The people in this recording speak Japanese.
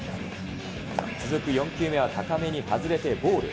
続く４球目は高めに外れてボール。